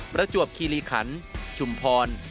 ประจวบคีรีขันชุมพร